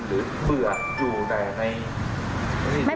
หรือเพื่ออยู่ใดใน